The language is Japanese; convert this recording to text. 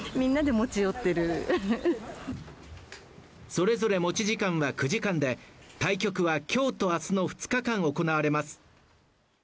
それぞれ持ち時間は９時間で対局は今日と明日の２日間行われます。